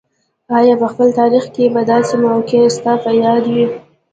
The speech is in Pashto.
آیا په خپل تاریخ کې به داسې واقعه ستا په یاد وي.